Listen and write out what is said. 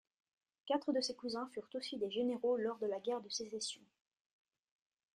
Quatre de ses cousins furent aussi des généraux lors de la guerre de Sécession.